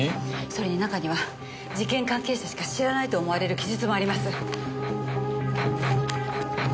それに中には事件関係者しか知らないと思われる記述もあります。